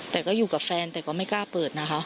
แต่ก็อยู่กับแฟนแต่ก็ไม่กล้าเปิดนะคะ